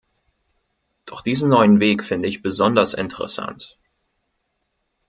Doch diesen neuen Weg finde ich besonders interessant.